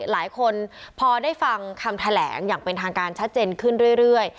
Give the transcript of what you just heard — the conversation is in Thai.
หลายคนพอได้ฟังคำแถลงอย่างเป็นทางการชัดเจนขึ้นเรื่อย